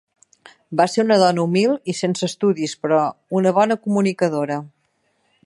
Va ser una dona humil i sense estudis però una bona comunicadora.